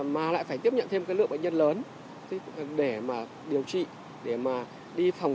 mà lại phải tiếp nhận thêm cái lượng bệnh nhân lớn để mà điều trị để mà đi phòng